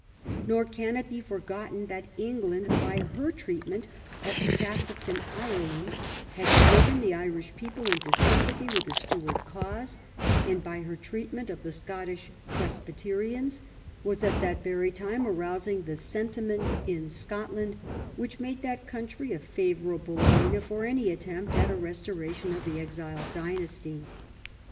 Nor can it be forgotten that England, by her treatment of the Catholics in Ireland, had driven the Irish people into sympathy with the Stuart cause, and by her treatment of the Scottish Presbyterians was at that very time arousing the sentiment in Scotland which made that country a favorable arena for any attempt at a restoration of the exiled dynasty.